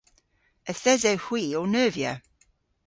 Yth esewgh hwi ow neuvya.